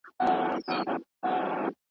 څاڅکي څاڅکي مي د اوښکو .